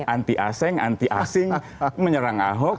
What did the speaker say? anti aseng anti asing menyerang ahok